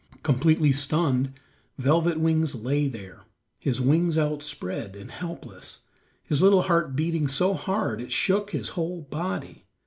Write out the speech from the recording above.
Completely stunned Velvet Wings lay there, his wings outspread and helpless, his little heart beating so hard it shook his whole body.